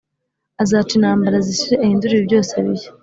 azaca intambara, zishire, ahindure ibi byose bishya.